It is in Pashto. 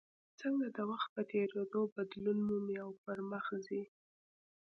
څنګه د وخت په تېرېدو بدلون مومي او پرمخ ځي.